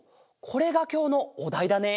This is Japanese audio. これがきょうのおだいだね？